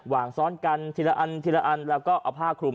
วางซ้อนกันที่ละอันแล้วก็เอาผ้าขลุม